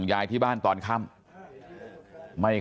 คือผู้ตายคือวู้ไม่ได้ยิน